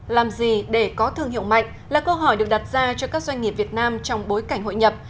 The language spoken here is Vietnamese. làm gì để có thương hiệu mạnh là câu hỏi được đặt ra cho các doanh nghiệp việt nam trong bối cảnh hội nhập